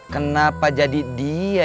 kenapa jadi dia